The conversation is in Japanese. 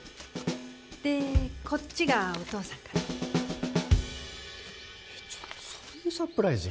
でこっちがお父さんから。